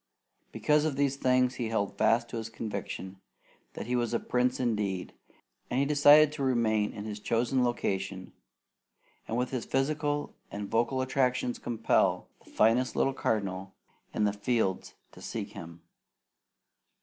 Because of these things he held fast to his conviction that he was a prince indeed; and he decided to remain in his chosen location and with his physical and vocal attractions compel the finest little cardinal in the fields to seek him.